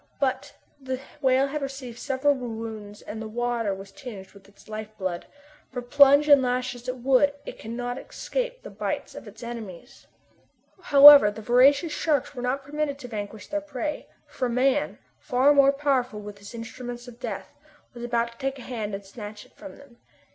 But the whale had received several wounds and the water was tinged with its life blood; for plunge and lash as it would, it could not escape the bites of its enemies. However, the voracious sharks were not permitted to vanquish their prey, for man, far more powerful with his instruments of death, was about to take a hand and snatch it from them.